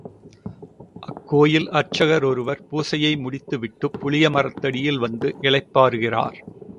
அக்கோயில் அர்ச்சகர் ஒருவர் பூசையை முடித்து விட்டுப் புளிய மரத்தடியில் வந்து இளைப்பாறுகிறார்.